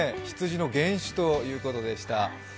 羊の原種ということでした。